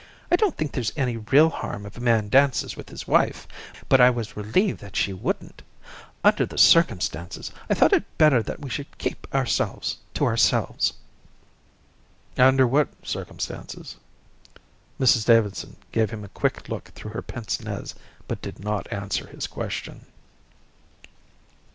I don't think there's any real harm if a man dances with his wife, but I was relieved that she wouldn't. Under the circumstances I thought it better that we should keep ourselves to ourselves." "Under what circumstances?" Mrs Davidson gave him a quick look through her pince nez, but did not answer his question.